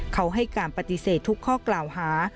เขาให้การปฏิเสธทุกข้อกล่าวหา